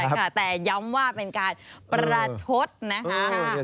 ใช่ค่ะแต่ย้ำว่าเป็นการประชดนะครับ